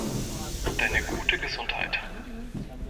Deine gute Gesundheit